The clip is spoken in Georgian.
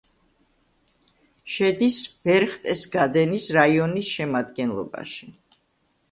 შედის ბერხტესგადენის რაიონის შემადგენლობაში.